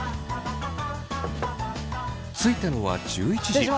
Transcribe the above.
着いたのは１１時。